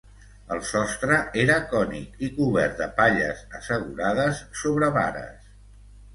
El sostre era cònic i cobert de palles assegurades sobre vares.